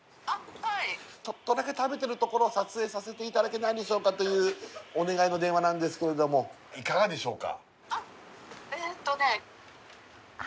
ちょっとだけ食べてるところを撮影させていただけないでしょうかというお願いの電話なんですけれどもいかがでしょうか？